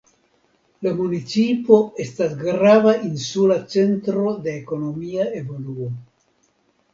La municipo estas grava insula centro de ekonomia evoluo.